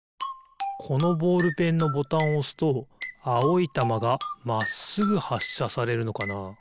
このボールペンのボタンをおすとあおいたまがまっすぐはっしゃされるのかな？